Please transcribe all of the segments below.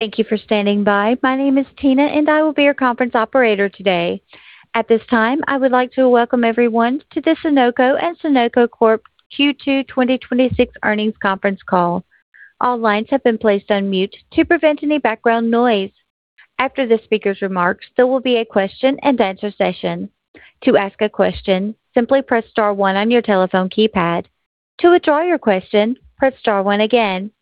Thank you for standing by. My name is Tina, and I will be your conference operator today. At this time, I would like to welcome everyone to the Sunoco and Sunoco Corp Q2 2026 earnings conference call. All lines have been placed on mute to prevent any background noise. After the speaker's remarks, there will be a question-and-answer session. To ask a question, simply press star one on your telephone keypad. To withdraw your question, press star one again.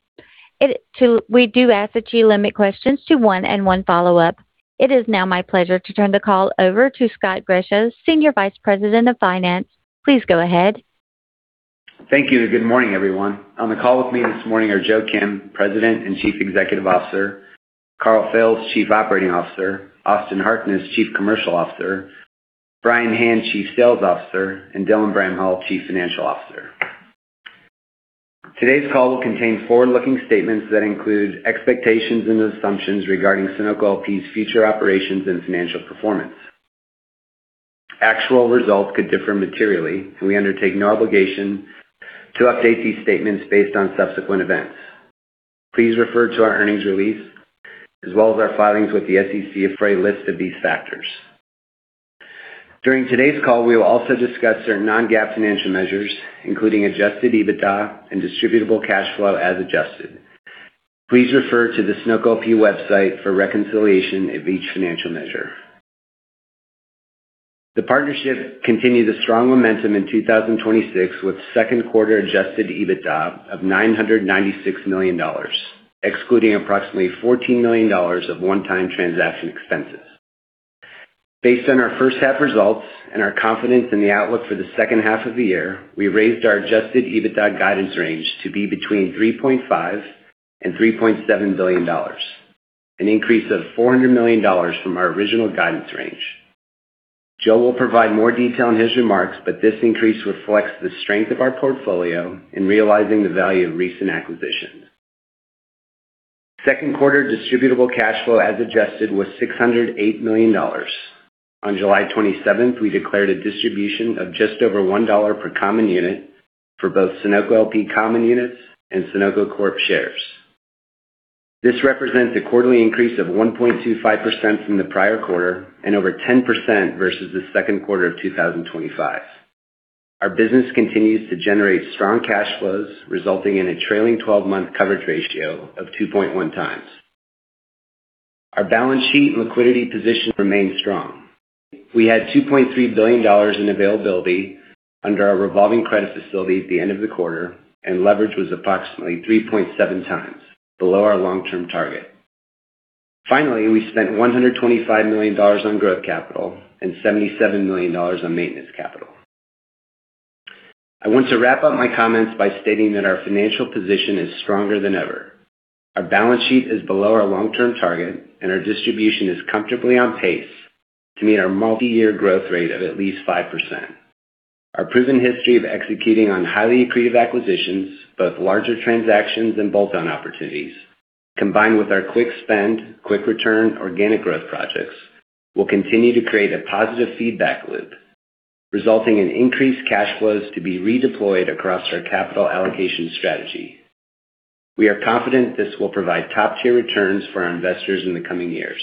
We do ask that you limit questions to one and one follow-up. It is now my pleasure to turn the call over to Scott Grischow, Senior Vice President of Finance. Please go ahead. Thank you. Good morning, everyone. On the call with me this morning are Joe Kim, President and Chief Executive Officer, Karl Fails, Chief Operating Officer, Austin Harkness, Chief Commercial Officer, Brian Hand, Chief Sales Officer, and Dylan Bramhall, Chief Financial Officer. Today's call will contain forward-looking statements that include expectations and assumptions regarding Sunoco LP's future operations and financial performance. Actual results could differ materially, and we undertake no obligation to update these statements based on subsequent events. Please refer to our earnings release as well as our filings with the SEC for a list of these factors. During today's call, we will also discuss our non-GAAP financial measures, including adjusted EBITDA and Distributable Cash Flow as adjusted. Please refer to the Sunoco LP website for reconciliation of each financial measure. The partnership continued the strong momentum in 2026 with second quarter adjusted EBITDA of $996 million, excluding approximately $14 million of one-time transaction expenses. Based on our first-half results and our confidence in the outlook for the second half of the year, we raised our adjusted EBITDA guidance range to be between $3.5 billion and $3.7 billion, an increase of $400 million from our original guidance range. Joe will provide more detail in his remarks, but this increase reflects the strength of our portfolio in realizing the value of recent acquisitions. Second-quarter Distributable Cash Flow as adjusted was $608 million. On July 27th, we declared a distribution of just over $1 per common unit for both Sunoco LP common units and Sunoco Corp shares. This represents a quarterly increase of 1.25% from the prior quarter and over 10% versus the second quarter of 2025. Our business continues to generate strong cash flows, resulting in a trailing 12-month coverage ratio of 2.1x. Our balance sheet and liquidity position remain strong. We had $2.3 billion in availability under our revolving credit facility at the end of the quarter, and leverage was approximately 3.7x below our long-term target. Finally, we spent $125 million on growth capital and $77 million on maintenance capital. I want to wrap up my comments by stating that our financial position is stronger than ever. Our balance sheet is below our long-term target, and our distribution is comfortably on pace to meet our multi-year growth rate of at least 5%. Our proven history of executing on highly accretive acquisitions, both larger transactions and bolt-on opportunities, combined with our quick-spend, quick-return organic growth projects, will continue to create a positive feedback loop, resulting in increased cash flows to be redeployed across our capital allocation strategy. We are confident this will provide top-tier returns for our investors in the coming years.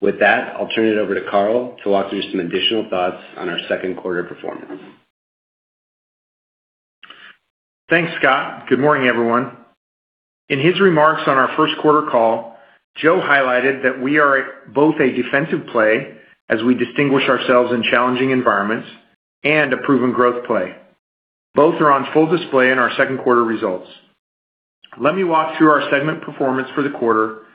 With that, I'll turn it over to Karl to walk through some additional thoughts on our second quarter performance. Thanks, Scott. Good morning, everyone. In his remarks on our first-quarter call, Joe highlighted that we are both a defensive play, as we distinguish ourselves in challenging environments, and a proven growth play. Both are on full display in our second-quarter results. Let me walk through our segment performance for the quarter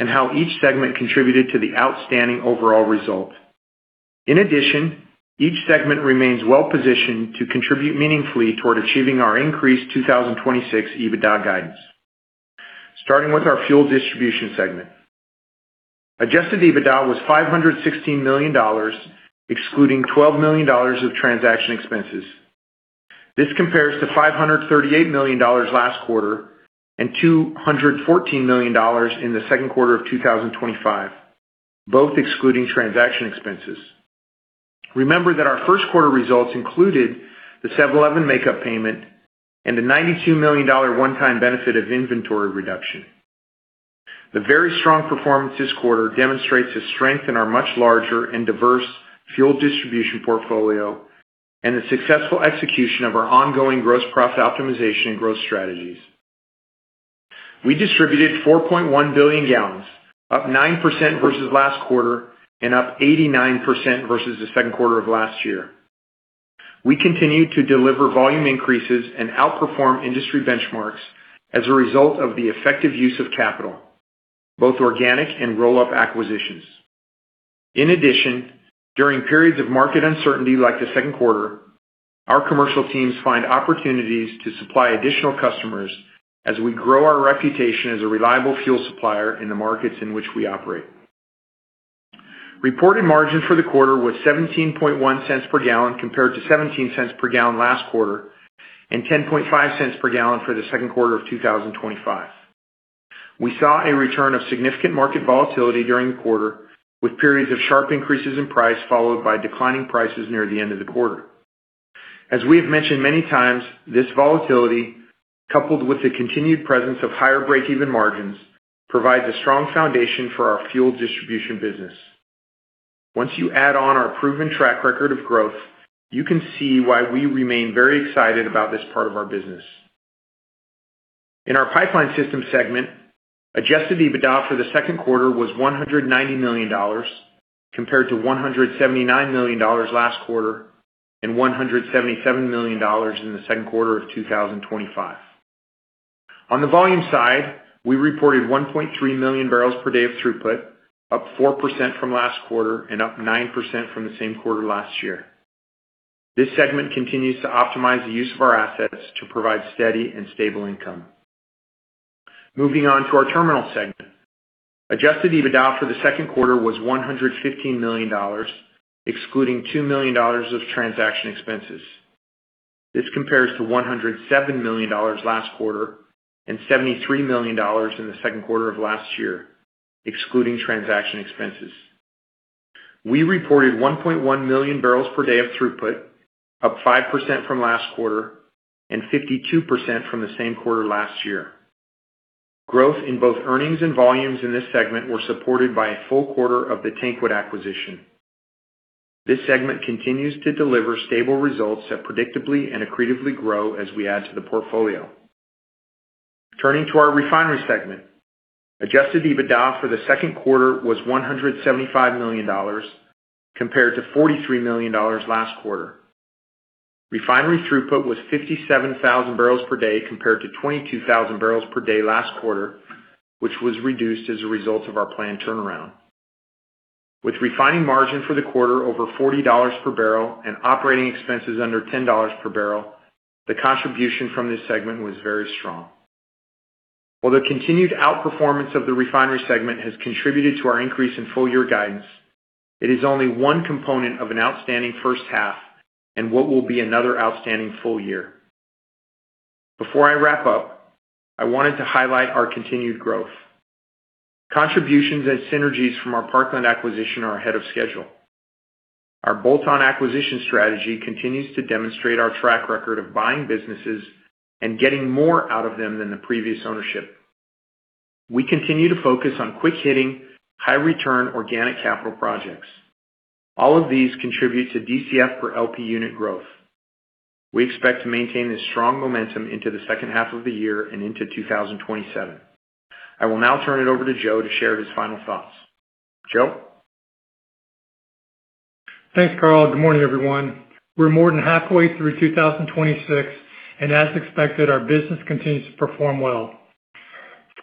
and how each segment contributed to the outstanding overall result. In addition, each segment remains well-positioned to contribute meaningfully toward achieving our increased 2026 EBITDA guidance. Starting with our Fuel Distribution segment. Adjusted EBITDA was $516 million, excluding $12 million of transaction expenses. This compares to $538 million last quarter and $214 million in the second-quarter of 2025, both excluding transaction expenses. Remember that our first-quarter results included the 7-Eleven makeup payment and a $92 million one-time benefit of inventory reduction. The very strong performance this quarter demonstrates the strength in our much larger and diverse Fuel Distribution portfolio and the successful execution of our ongoing gross profit optimization and growth strategies. We distributed 4.1 billion gallons, up 9% versus last quarter and up 89% versus the second quarter of last year. We continue to deliver volume increases and outperform industry benchmarks as a result of the effective use of capital, both organic and roll-up acquisitions. In addition, during periods of market uncertainty like the second quarter, our commercial teams find opportunities to supply additional customers as we grow our reputation as a reliable fuel supplier in the markets in which we operate. Reported margin for the quarter was $0.171 per gallon compared to $0.17 per gallon last quarter and $0.105 per gallon for the second quarter of 2025. We saw a return of significant market volatility during the quarter, with periods of sharp increases in price followed by declining prices near the end of the quarter. As we have mentioned many times, this volatility, coupled with the continued presence of higher break-even margins, provides a strong foundation for our Fuel Distribution business. Once you add on our proven track record of growth, you can see why we remain very excited about this part of our business. In our Pipeline Systems segment, adjusted EBITDA for the second quarter was $190 million, compared to $179 million last quarter and $177 million in the second quarter of 2025. On the volume side, we reported 1.3 million barrels per day of throughput, up 4% from last quarter and up 9% from the same quarter last year. This segment continues to optimize the use of our assets to provide steady and stable income. Moving on to our Terminals segment. Adjusted EBITDA for the second quarter was $115 million, excluding $2 million of transaction expenses. This compares to $107 million last quarter and $73 million in the second quarter of last year, excluding transaction expenses. We reported 1.1 million barrels per day of throughput, up 5% from last quarter and 52% from the same quarter last year. Growth in both earnings and volumes in this segment were supported by a full quarter of the TanQuid acquisition. This segment continues to deliver stable results that predictably and accretively grow as we add to the portfolio. Turning to our Refinery segment. Adjusted EBITDA for the second quarter was $175 million, compared to $43 million last quarter. Refinery throughput was 57,000 barrels per day, compared to 22,000 barrels per day last quarter, which was reduced as a result of our planned turnaround. With refining margin for the quarter over $40 per barrel and operating expenses under $10 per barrel, the contribution from this segment was very strong. While the continued outperformance of the Refinery segment has contributed to our increase in full-year guidance, it is only one component of an outstanding first-half, and what will be another outstanding full-year. Before I wrap up, I wanted to highlight our continued growth. Contributions and synergies from our Parkland acquisition are ahead of schedule. Our bolt-on acquisition strategy continues to demonstrate our track record of buying businesses and getting more out of them than the previous ownership. We continue to focus on quick-hitting, high-return organic capital projects. All of these contribute to DCF for LP unit growth. We expect to maintain this strong momentum into the second half of the year and into 2027. I will now turn it over to Joe to share his final thoughts. Joe? Thanks, Karl. Good morning, everyone. We're more than halfway through 2026, and as expected, our business continues to perform well.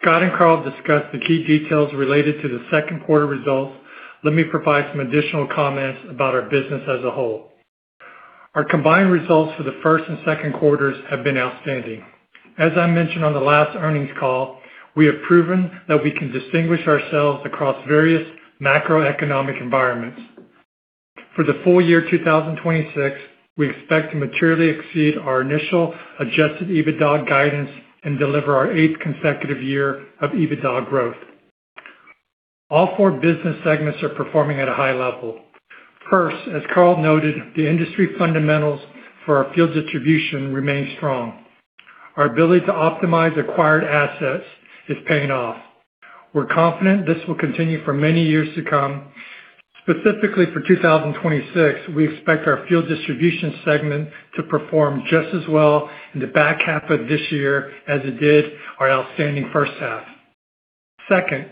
Scott and Karl discussed the key details related to the second-quarter results. Let me provide some additional comments about our business as a whole. Our combined results for the first and second quarters have been outstanding. As I mentioned on the last earnings call, we have proven that we can distinguish ourselves across various macroeconomic environments. For the full year 2026, we expect to materially exceed our initial adjusted EBITDA guidance and deliver our eighth consecutive year of EBITDA growth. All four business segments are performing at a high level. First, as Karl noted, the industry fundamentals for our Fuel Distribution remain strong. Our ability to optimize acquired assets is paying off. We're confident this will continue for many years to come. Specifically for 2026, we expect our Fuel Distribution segment to perform just as well in the back half of this year as it did our outstanding first half. Second,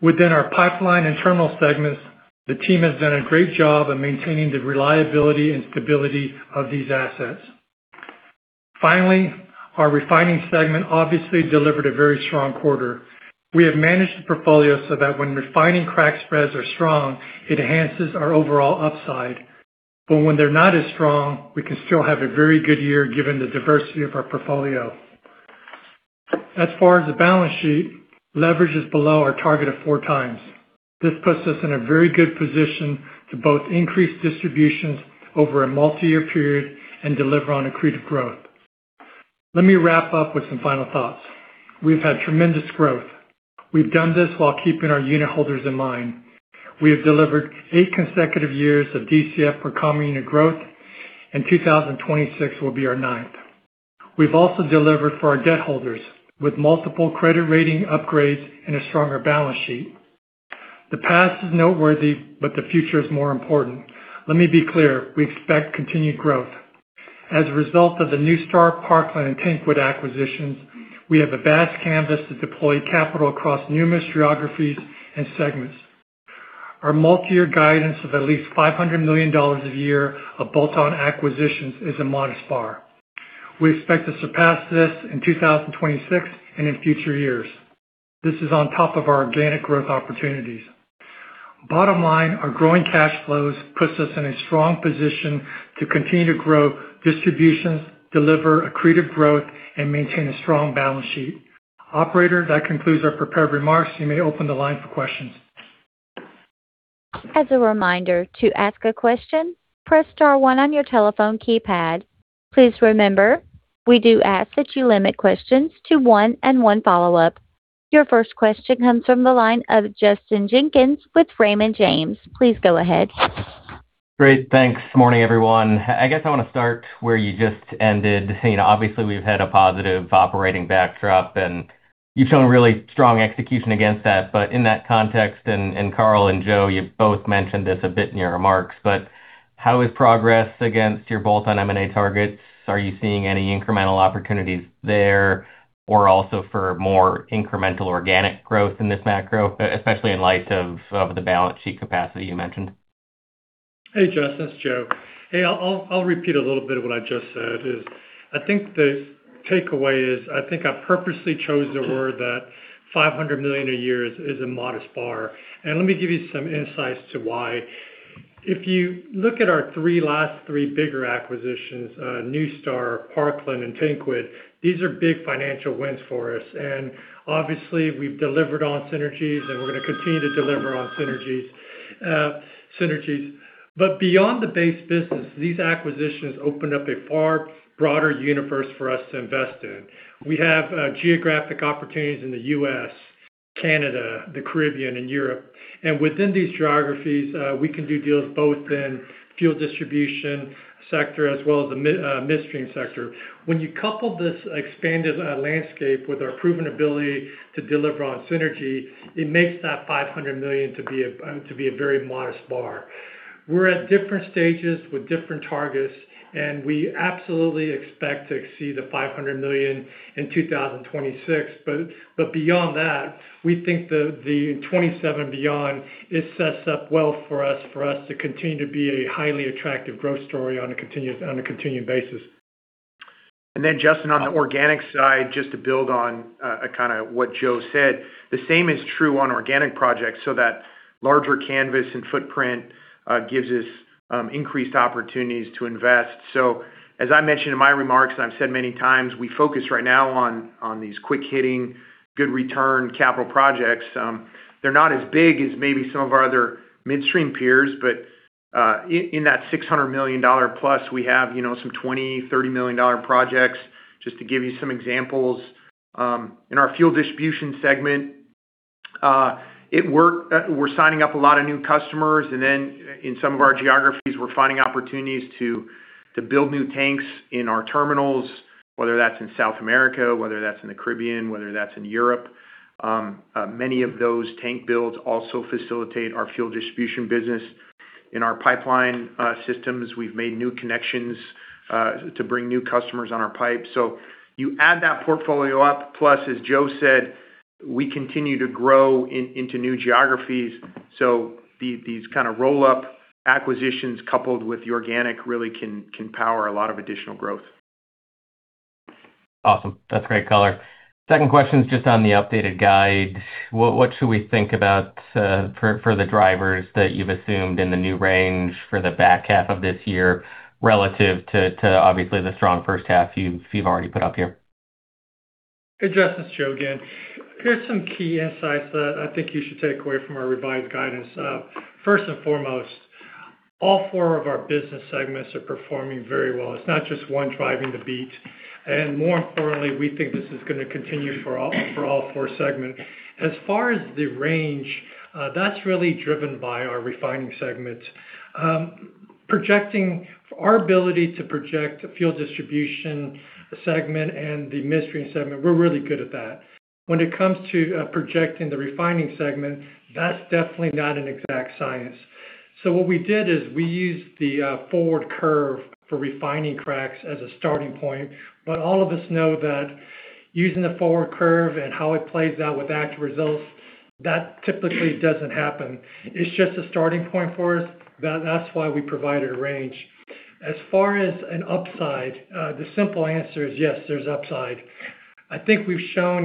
within our Pipeline and Terminals segments, the team has done a great job of maintaining the reliability and stability of these assets. Finally, our Refinery segment obviously delivered a very strong quarter. We have managed the portfolio so that when refining crack spreads are strong, it enhances our overall upside. When they're not as strong, we can still have a very good year given the diversity of our portfolio. As far as the balance sheet, leverage is below our target of 4x. This puts us in a very good position to both increase distributions over a multi-year period and deliver on accretive growth. Let me wrap up with some final thoughts. We've had tremendous growth. We've done this while keeping our unitholders in mind. We have delivered eight consecutive years of DCF for common unit growth, and 2026 will be our ninth. We've also delivered for our debt holders with multiple credit rating upgrades and a stronger balance sheet. The past is noteworthy, but the future is more important. Let me be clear. We expect continued growth. As a result of the NuStar, Parkland, and TanQuid acquisitions, we have a vast canvas to deploy capital across numerous geographies and segments. Our multi-year guidance of at least $500 million a year of bolt-on acquisitions is a modest bar. We expect to surpass this in 2026 and in future years. This is on top of our organic growth opportunities. Bottom line, our growing cash flows puts us in a strong position to continue to grow distributions, deliver accretive growth, and maintain a strong balance sheet. Operator, that concludes our prepared remarks. You may open the line for questions. As a reminder, to ask a question, press star one on your telephone keypad. Please remember, we do ask that you limit questions to one and one follow-up. Your first question comes from the line of Justin Jenkins with Raymond James. Please go ahead. Great. Thanks. Morning, everyone. I guess I want to start where you just ended. Obviously, we've had a positive operating backdrop, and you've shown really strong execution against that. In that context, Karl and Joe, you both mentioned this a bit in your remarks, but how is progress against your bolt-on M&A targets? Are you seeing any incremental opportunities there or also for more incremental organic growth in this macro, especially in light of the balance sheet capacity you mentioned? Hey, Justin. It's Joe. Hey, I'll repeat a little bit of what I just said is, I think the takeaway is, I think I purposely chose the word that $500 million a year is a modest bar. Let me give you some insights to why. If you look at our three last three bigger acquisitions, NuStar, Parkland, and TanQuid, these are big financial wins for us. Obviously, we've delivered on synergies and we're going to continue to deliver on synergies. Beyond the base business, these acquisitions open up a far broader universe for us to invest in. We have geographic opportunities in the U.S., Canada, the Caribbean, and Europe. Within these geographies, we can do deals both in Fuel Distribution sector as well as the midstream sector. When you couple this expanded landscape with our proven ability to deliver on synergy, it makes that $500 million to be a very modest bar. We're at different stages with different targets, and we absolutely expect to exceed the $500 million in 2026. Beyond that, we think the 2027 beyond, it sets up well for us to continue to be a highly attractive growth story on a continued basis. Justin, on the organic side, just to build on what Joe said, the same is true on organic projects, so that larger canvas and footprint gives us increased opportunities to invest. As I mentioned in my remarks, and I've said many times, we focus right now on these quick-hitting, good return capital projects. They're not as big as maybe some of our other midstream peers, but in that $600 million+, we have some $20 million-$30 million projects. Just to give you some examples, in our Fuel Distribution segment, we're signing up a lot of new customers, and then in some of our geographies, we're finding opportunities to build new tanks in our terminals, whether that's in South America, whether that's in the Caribbean, whether that's in Europe. Many of those tank builds also facilitate our Fuel Distribution business. In our Pipeline Systems, we've made new connections to bring new customers on our pipe. You add that portfolio up. Plus, as Joe said, we continue to grow into new geographies. These kind of roll-up acquisitions coupled with the organic really can power a lot of additional growth. Awesome. That's great color. Second question is just on the updated guide. What should we think about for the drivers that you've assumed in the new range for the back half of this year relative to obviously the strong first half you've already put up here? Hey, Justin, it's Joe again. Here's some key insights that I think you should take away from our revised guidance. First and foremost, all four of our business segments are performing very well. It's not just one driving the beat. More importantly, we think this is going to continue for all four segments. As far as the range, that's really driven by our Refinery segments. Our ability to project the Fuel Distribution segment and the midstream segment, we're really good at that. When it comes to projecting the Refinery segment, that's definitely not an exact science. What we did is we used the forward curve for refining cracks as a starting point. All of us know that using the forward curve and how it plays out with actual results, that typically doesn't happen. It's just a starting point for us. That's why we provided a range. As far as an upside, the simple answer is yes, there's upside. I think we've shown,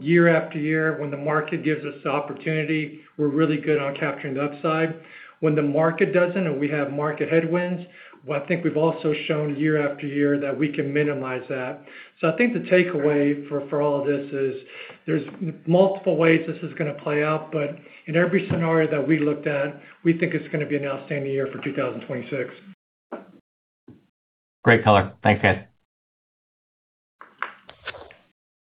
year-after-year, when the market gives us the opportunity, we're really good on capturing the upside. When the market doesn't, and we have market headwinds, well, I think we've also shown year after year that we can minimize that. I think the takeaway for all of this is there's multiple ways this is going to play out, but in every scenario that we looked at, we think it's going to be an outstanding year for 2026. Great color. Thanks, guys.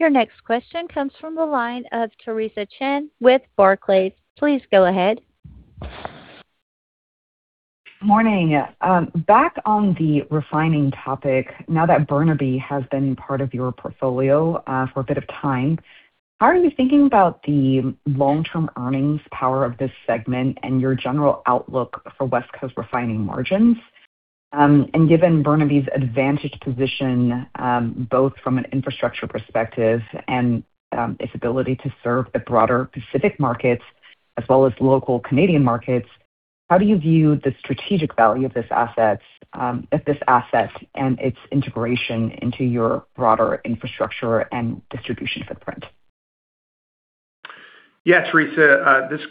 Your next question comes from the line of Theresa Chen with Barclays. Please go ahead. Morning. Back on the refining topic, now that Burnaby has been part of your portfolio for a bit of time, how are you thinking about the long-term earnings power of this segment and your general outlook for West Coast refining margins? Given Burnaby's advantaged position both from an infrastructure perspective and its ability to serve the broader Pacific markets as well as local Canadian markets, how do you view the strategic value of this asset and its integration into your broader infrastructure and distribution footprint? Yeah, Theresa, this is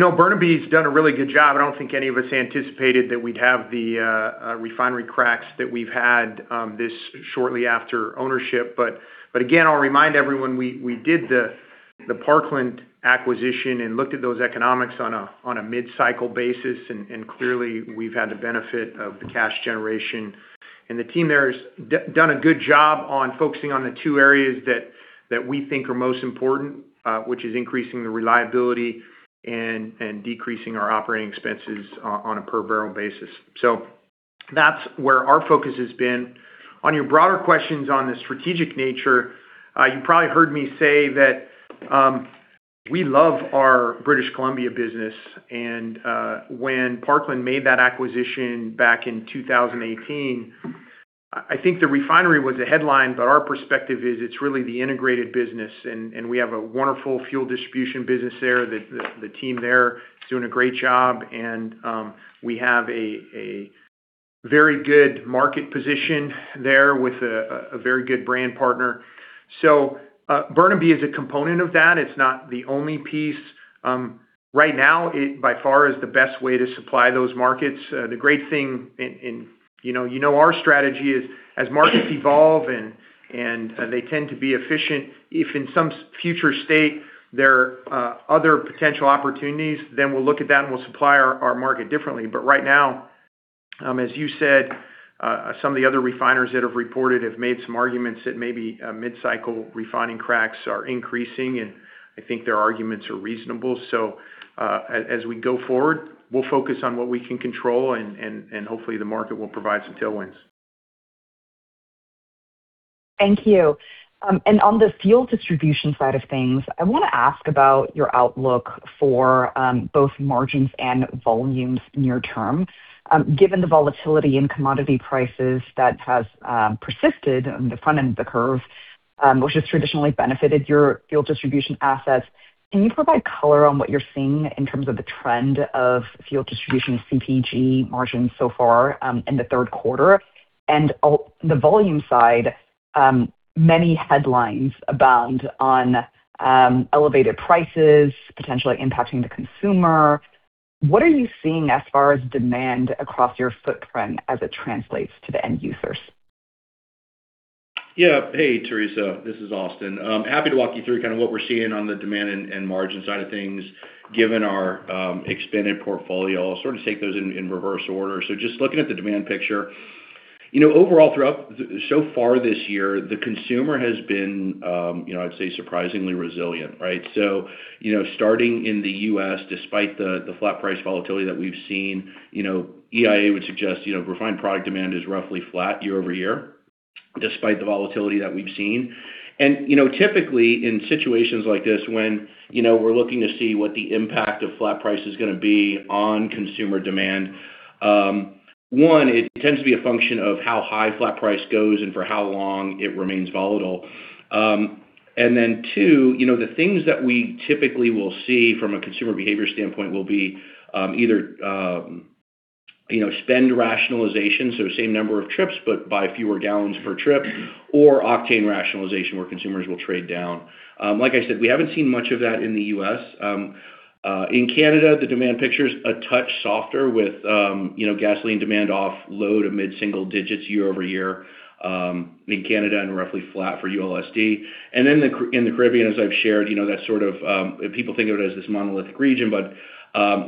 Karl. Burnaby's done a really good job. I don't think any of us anticipated that we'd have the refinery cracks that we've had this shortly after ownership. Again, I'll remind everyone, we did the Parkland acquisition and looked at those economics on a mid-cycle basis, and clearly we've had the benefit of the cash generation. The team there has done a good job on focusing on the two areas that we think are most important, which is increasing the reliability and decreasing our operating expenses on a per-barrel basis. That's where our focus has been. When Parkland made that acquisition back in 2018, I think the refinery was a headline, but our perspective is it's really the integrated business, and we have a wonderful fuel distribution business there. The team there is doing a great job, and we have a very good market position there with a very good brand partner. Burnaby is a component of that. It's not the only piece. Right now, it, by far, is the best way to supply those markets. The great thing, you know our strategy is as markets evolve and they tend to be efficient. If in some future state, there are other potential opportunities, we'll look at that, and we'll supply our market differently. Right now, as you said, some of the other refiners that have reported have made some arguments that maybe mid-cycle refining cracks are increasing, and I think their arguments are reasonable. As we go forward, we'll focus on what we can control, and hopefully the market will provide some tailwinds. Thank you. On the fuel distribution side of things, I want to ask about your outlook for both margins and volumes near term. Given the volatility in commodity prices that has persisted on the front end of the curve, which has traditionally benefited your fuel distribution assets, can you provide color on what you're seeing in terms of the trend of fuel distribution CPG margins so far in the third quarter? On the volume side, many headlines abound on elevated prices potentially impacting the consumer. What are you seeing as far as demand across your footprint as it translates to the end users? Yeah. Hey, Theresa. This is Austin. Happy to walk you through kind of what we're seeing on the demand and margin side of things, given our expanded portfolio. Sort of take those in reverse order. Just looking at the demand picture. Overall, throughout so far this year, the consumer has been, I'd say, surprisingly resilient. Right? Starting in the U.S., despite the flat price volatility that we've seen, EIA would suggest refined product demand is roughly flat year-over-year, despite the volatility that we've seen. Typically in situations like this, when we're looking to see what the impact of flat price is going to be on consumer demand, one, it tends to be a function of how high flat price goes and for how long it remains volatile. Two, the things that we typically will see from a consumer behavior standpoint will be either spend rationalization, so same number of trips, but buy fewer gallons per trip, or octane rationalization, where consumers will trade down. Like I said, we haven't seen much of that in the U.S. In Canada, the demand picture is a touch softer with gasoline demand off low to mid-single digits year-over-year in Canada and roughly flat for ULSD. In the Caribbean, as I've shared, people think of it as this monolithic region, but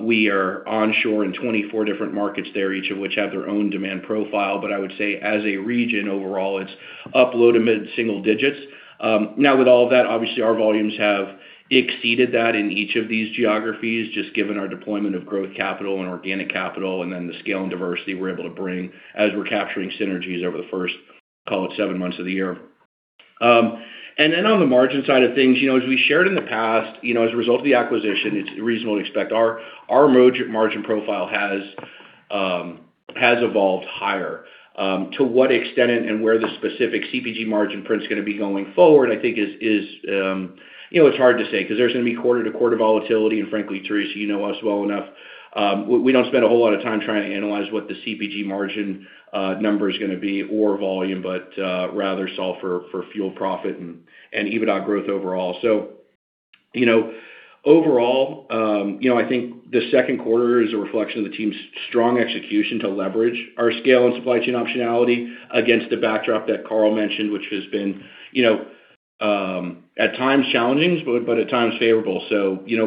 we are onshore in 24 different markets there, each of which have their own demand profile. But I would say as a region overall, it's up low to mid-single-digits. With all of that, obviously our volumes have exceeded that in each of these geographies, just given our deployment of growth capital and organic capital, the scale and diversity we're able to bring as we're capturing synergies over the first, call it seven months of the year. On the margin side of things, as we shared in the past, as a result of the acquisition, it's reasonable to expect our margin profile has evolved higher. To what extent and where the specific CPG margin print is going to be going forward, I think it's hard to say, because there's going to be quarter-to-quarter volatility. Frankly, Theresa, you know us well enough. We don't spend a whole lot of time trying to analyze what the CPG margin number is going to be or volume, but rather solve for fuel profit and EBITDA growth overall. Overall, I think the second quarter is a reflection of the team's strong execution to leverage our scale and supply chain optionality against the backdrop that Karl mentioned, which has been at times challenging, but at times favorable.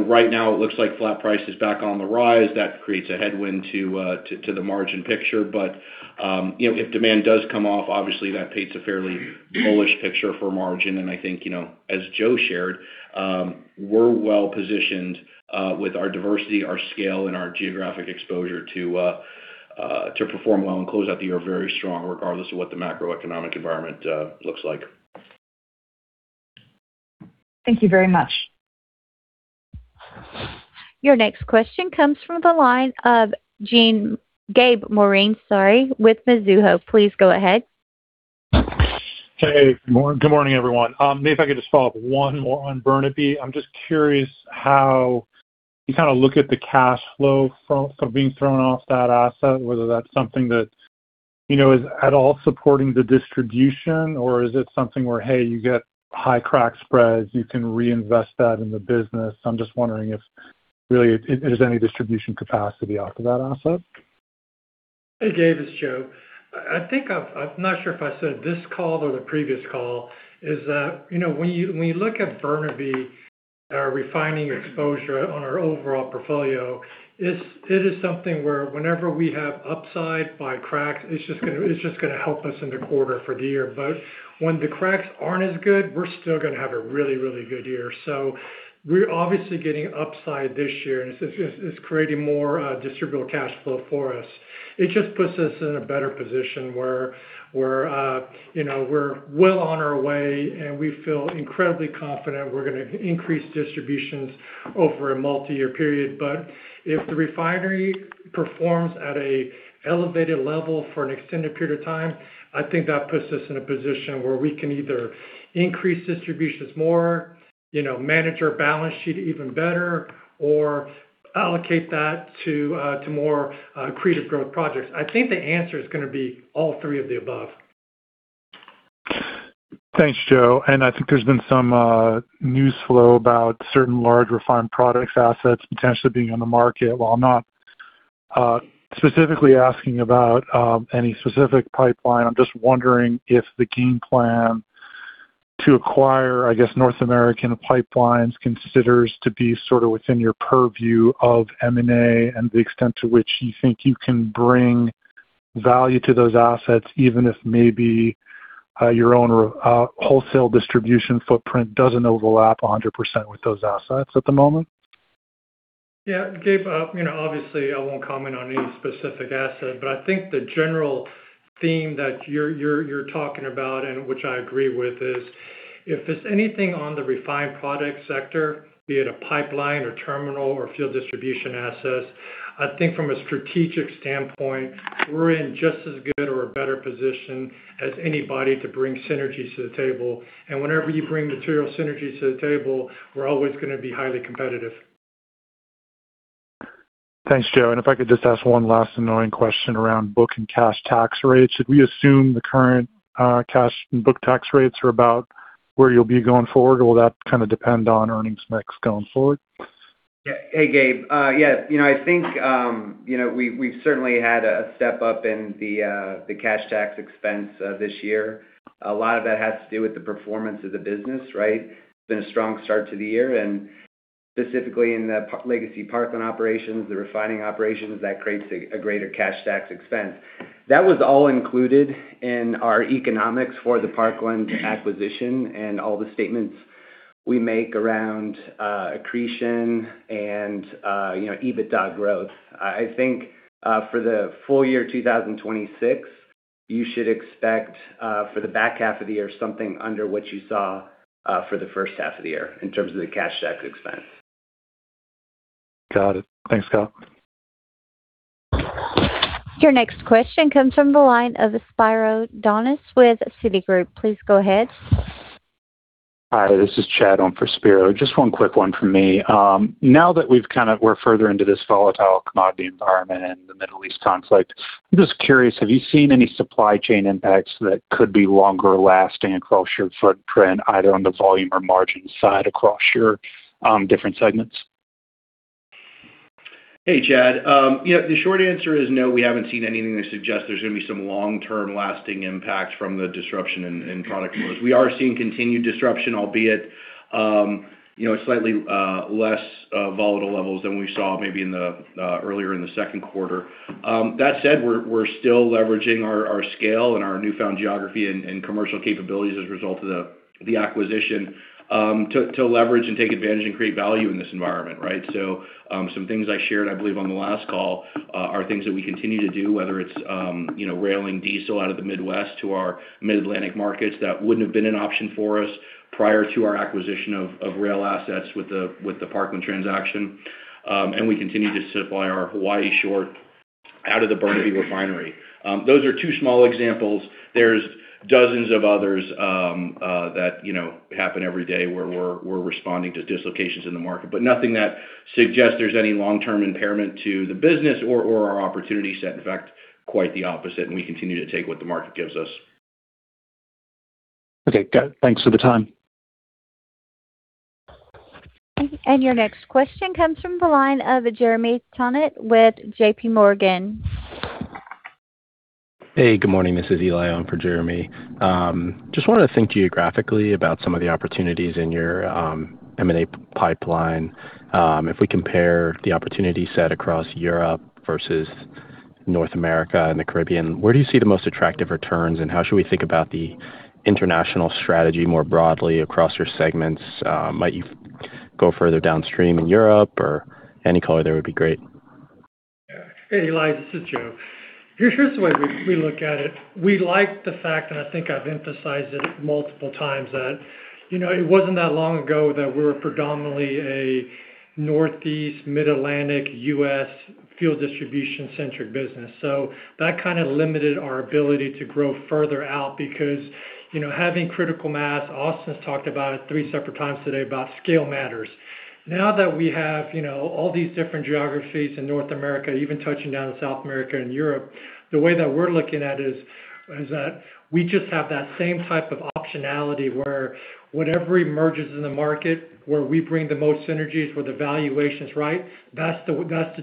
Right now it looks like flat price is back on the rise. That creates a headwind to the margin picture. If demand does come off, obviously that paints a fairly bullish picture for margin. I think, as Joe shared, we're well-positioned with our diversity, our scale, and our geographic exposure to perform well and close out the year very strong, regardless of what the macroeconomic environment looks like. Thank you very much. Your next question comes from the line of Gabe Moreen with Mizuho. Please go ahead. Hey. Good morning, everyone. If I could just follow up one more on Burnaby. I'm just curious how you kind of look at the cash flow from being thrown off that asset, whether that's something that is at all supporting the distribution, or is it something where, hey, you get high crack spreads, you can reinvest that in the business. I'm just wondering if really there's any distribution capacity off of that asset? Hey, Gabe, it's Joe. I'm not sure if I said it this call or the previous call, is that when you look at Burnaby, our refining exposure on our overall portfolio, it is something where whenever we have upside by crack, it's just going to help us in the quarter for the year. When the cracks aren't as good, we're still going to have a really good year. We're obviously getting upside this year, and it's creating more Distributable Cash Flow for us. It just puts us in a better position where we're well on our way, and we feel incredibly confident we're going to increase distributions over a multi-year period. If the refinery performs at an elevated level for an extended period of time, I think that puts us in a position where we can either increase distributions more, manage our balance sheet even better, or allocate that to more accretive growth projects. I think the answer is going to be all three of the above. Thanks, Joe. I think there's been some news flow about certain large refined products assets potentially being on the market. While I'm not specifically asking about any specific pipeline, I'm just wondering if the game plan to acquire, I guess, North American pipelines considers to be sort of within your purview of M&A and the extent to which you think you can bring value to those assets, even if maybe your own wholesale distribution footprint doesn't overlap 100% with those assets at the moment. Yeah, Gabe, obviously I won't comment on any specific asset, but I think the general theme that you're talking about, and which I agree with, is if there's anything on the refined product sector, be it a pipeline or terminals or fuel distribution assets, I think from a strategic standpoint, we're in just as good or a better position as anybody to bring synergies to the table. Whenever you bring material synergies to the table, we're always going to be highly competitive. Thanks, Joe. If I could just ask one last annoying question around book and cash tax rates. Should we assume the current cash and book tax rates are about where you'll be going forward? Or will that kind of depend on earnings mix going forward? Hey, Gabe. I think, we've certainly had a step up in the cash tax expense this year. A lot of that has to do with the performance of the business, right? It's been a strong start to the year, specifically in the legacy Parkland operations, the refinery operations, that creates a greater cash tax expense. That was all included in our economics for the Parkland acquisition and all the statements we make around accretion and EBITDA growth. I think for the full year 2026, you should expect for the back half of the year, something under what you saw for the first half of the year in terms of the cash tax expense. Got it. Thanks, Karl. Your next question comes from the line of Spiro Dounis with Citigroup. Please go ahead. Hi, this is Chad on for Spiro. Just one quick one from me. Now that we're further into this volatile commodity environment and the Middle East conflict, I'm just curious, have you seen any supply chain impacts that could be longer-lasting across your footprint, either on the volume or margin side across your different segments? Hey, Chad. The short answer is no, we haven't seen anything that suggests there's going to be some long-term lasting impact from the disruption in product. We are seeing continued disruption, albeit slightly less volatile levels than we saw maybe earlier in the second quarter. That said, we're still leveraging our scale and our newfound geography and commercial capabilities as a result of the acquisition to leverage and take advantage and create value in this environment, right? Some things I shared, I believe, on the last call are things that we continue to do, whether it's railing diesel out of the Midwest to our Mid-Atlantic markets, that wouldn't have been an option for us prior to our acquisition of rail assets with the Parkland transaction. We continue to supply our Hawaii short out of the Burnaby Refinery. Those are two small examples. There's dozens of others that happen every day where we're responding to dislocations in the market, but nothing that suggests there's any long-term impairment to the business or our opportunity set. In fact, quite the opposite. We continue to take what the market gives us. Okay, got it. Thanks for the time. Your next question comes from the line of Jeremy Tonet with JP Morgan. Hey, good morning. This is Eli on for Jeremy. Just want to think geographically about some of the opportunities in your M&A pipeline. If we compare the opportunity set across Europe versus North America and the Caribbean, where do you see the most attractive returns, and how should we think about the international strategy more broadly across your segments? Might you go further downstream in Europe? Any color there would be great. Hey, Eli, this is Joe. Here's the way we look at it. We like the fact, and I think I've emphasized it multiple times, that it wasn't that long ago that we were predominantly a Northeast Mid-Atlantic U.S. fuel-distribution-centric business. That kind of limited our ability to grow further out because having critical mass, Austin's talked about it three separate times today, about scale matters. Now that we have all these different geographies in North America, even touching down in South America and Europe, the way that we're looking at it is that we just have that same type of optionality where whatever emerges in the market, where we bring the most synergies, where the valuation's right, that's the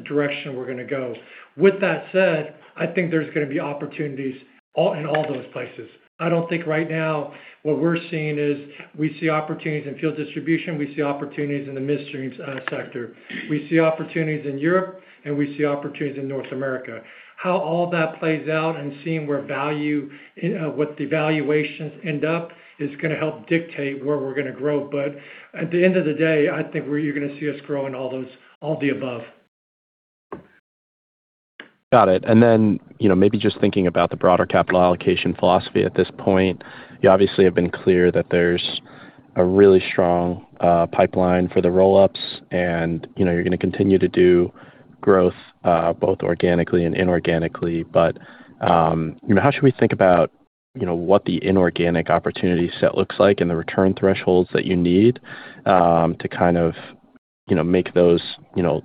direction we're going to go. With that said, I think there's going to be opportunities in all those places. I don't think right now what we're seeing is we see opportunities in Fuel Distribution, we see opportunities in the midstream sector. We see opportunities in Europe, and we see opportunities in North America. How all that plays out and seeing what the valuations end up is going to help dictate where we're going to grow. At the end of the day, I think where you're going to see us grow in all the above. Got it. Then, maybe just thinking about the broader capital allocation philosophy at this point, you obviously have been clear that there's a really strong pipeline for the roll-ups and you're going to continue to do growth both organically and inorganically. How should we think about what the inorganic opportunity set looks like and the return thresholds that you need to make those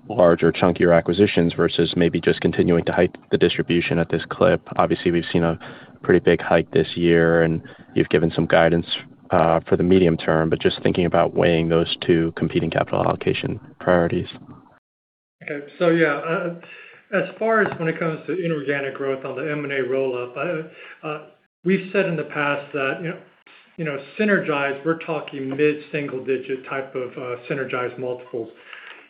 larger, chunkier acquisitions versus maybe just continuing to hike the distribution at this clip? Obviously, we've seen a pretty big hike this year and you've given some guidance for the medium term, just thinking about weighing those two competing capital allocation priorities. Okay. Yeah. As far as when it comes to inorganic growth on the M&A roll-up, we've said in the past that synergized, we're talking mid-single-digit type of synergized multiples.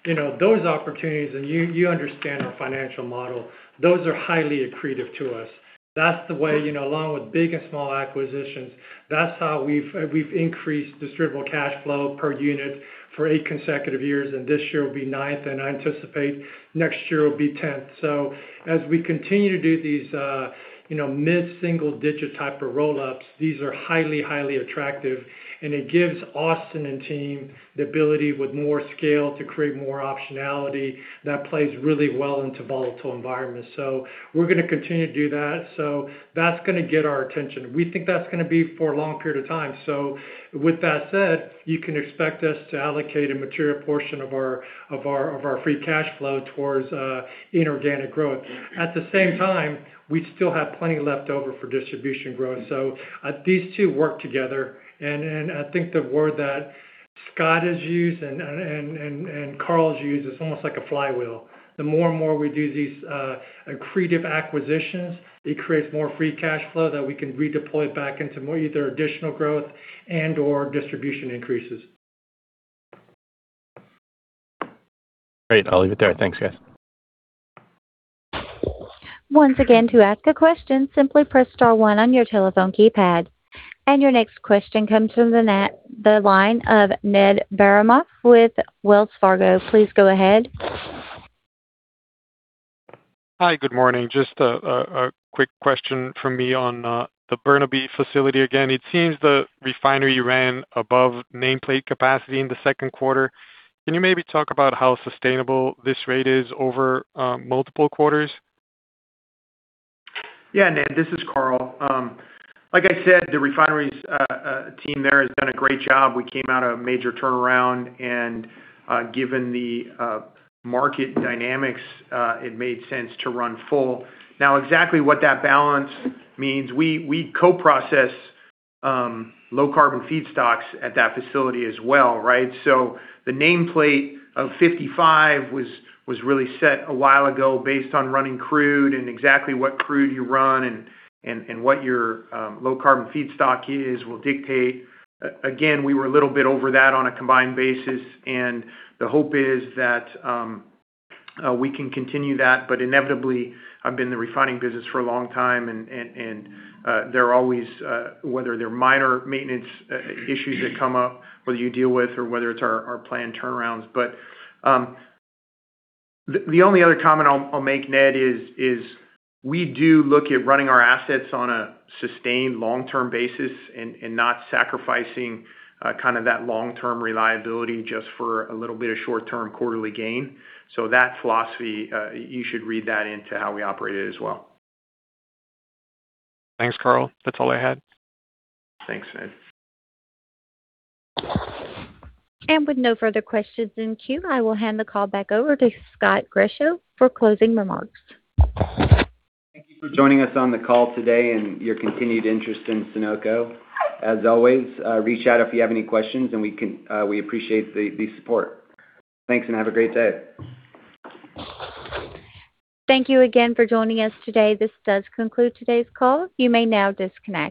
Those opportunities, and you understand our financial model, those are highly accretive to us. That's the way, along with big and small acquisitions, that's how we've increased Distributable Cash Flow per unit for eight consecutive years, and this year will be ninth, and I anticipate next year will be tenth. As we continue to do these mid-single-digit type of roll-ups, these are highly attractive, and it gives Austin and team the ability with more scale to create more optionality that plays really well into volatile environments. We're going to continue to do that. That's going to get our attention. We think that's going to be for a long period of time. With that said, you can expect us to allocate a material portion of our free cash flow towards inorganic growth. At the same time, we still have plenty left over for distribution growth. These two work together, and I think the word that Scott has used, and Karl's used, it's almost like a flywheel. The more and more we do these accretive acquisitions, it creates more free cash flow that we can redeploy back into more either additional growth and/or distribution increases. Great. I'll leave it there. Thanks, guys. Once again, to ask a question, simply press star 1 on your telephone keypad. Your next question comes from the line of Ned Baramov with Wells Fargo. Please go ahead. Hi. Good morning. Just a quick question from me on the Burnaby facility. Again, it seems the refinery ran above nameplate capacity in the second quarter. Can you maybe talk about how sustainable this rate is over multiple quarters? Ned, this is Karl. I said, the refineries team there has done a great job. We came out a major turnaround. Given the market dynamics, it made sense to run full. Exactly what that balance means, we co-process low-carbon feedstocks at that facility as well, right? The nameplate of 55 was really set a while ago based on running crude and exactly what crude you run and what your low-carbon feedstock is will dictate. We were a little bit over that on a combined basis, and the hope is that we can continue that. Inevitably, I've been in the refining business for a long time, and there are always, whether they're minor maintenance issues that come up, whether you deal with, or whether it's our planned turnarounds. The only other comment I'll make, Ned, is we do look at running our assets on a sustained long-term basis and not sacrificing that long-term reliability just for a little bit of short-term quarterly gain. That philosophy, you should read that into how we operate it as well. Thanks, Karl. That's all I had. Thanks, Ned. With no further questions in queue, I will hand the call back over to Scott Grischow for closing remarks. Thank you for joining us on the call today and your continued interest in Sunoco. As always, reach out if you have any questions, and we appreciate the support. Thanks, and have a great day. Thank you again for joining us today. This does conclude today's call. You may now disconnect.